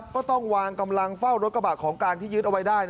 ก็ต้องวางกำลังเฝ้ารถกระบะของกลางที่ยึดเอาไว้ได้